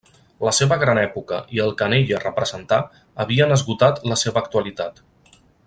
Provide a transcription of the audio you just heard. La seva gran època i el que en ella representà havien esgotat la seva actualitat.